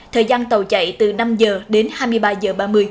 thời gian tàu chạy từ năm giờ đến hai mươi ba giờ ba mươi